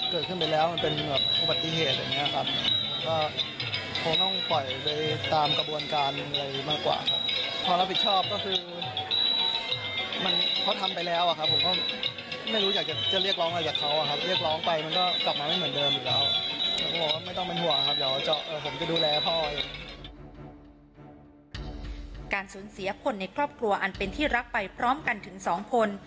สูญเสียคนในครอบครัวอันเป็นที่รักไปพร้อมกันถึง๒คน